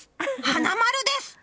花丸です！